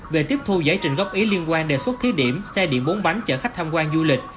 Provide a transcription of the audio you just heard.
về tiếp thu giải trình góp ý liên quan đề xuất thí điểm xe điện bốn bánh chở khách tham quan du lịch